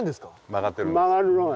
曲がってるんです。